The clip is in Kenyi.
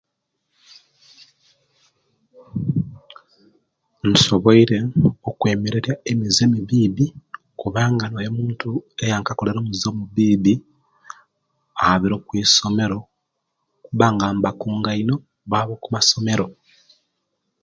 Nsobwoire okwemererya emiziye emibibi kubanga oyo omuntu eyankakolere omuziye omubibi abire okwisomero no kubanga nbakunga ino babe okumasomero